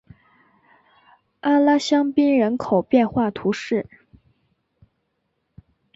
阿拉香槟人口变化图示